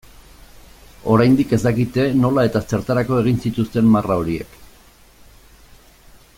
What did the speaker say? Oraindik ez dakite nola eta zertarako egin zituzten marra horiek.